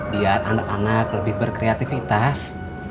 biar anak anak lebih berkreativitas